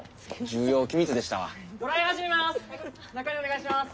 中へお願いします。